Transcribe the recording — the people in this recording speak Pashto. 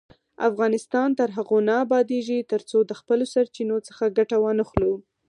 افغانستان تر هغو نه ابادیږي، ترڅو د خپلو سرچینو څخه ګټه وانخلو.